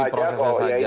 ikuti prosesnya saja